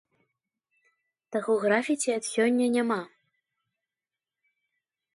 Таго графіці ад сёння няма!